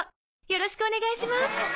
よろしくお願いします。